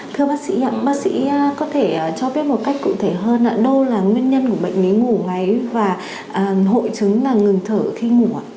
thưa bác sĩ bác sĩ có thể cho biết một cách cụ thể hơn là đâu là nguyên nhân của bệnh lý ngủ ngáy và hội chứng ngưng thở khi ngủ